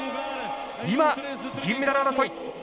今銀メダル争い。